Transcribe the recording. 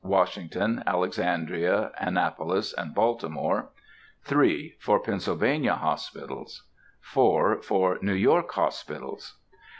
(Washington, Alexandria, Annapolis, and Baltimore.) 3. For Pennsylvania hospitals. 4. For New York hospitals.